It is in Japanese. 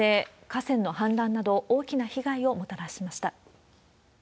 河川の氾濫など、大きな被害をもたらしました。